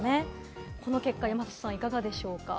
この結果、山里さん、いかがでしょうか？